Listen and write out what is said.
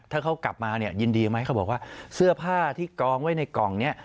ถ้าเขากลับมาเนี่ยยินดีไหมเขาบอกว่าเสื้อผ้าที่กองไว้ในกล่องนี้